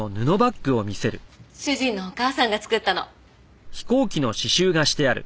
主人のお母さんが作ったの。